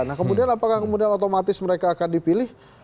nah kemudian apakah kemudian otomatis mereka akan dipilih